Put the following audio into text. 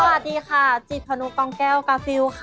สวัสดีค่ะจิตพนุกองแก้วกาฟิลค่ะ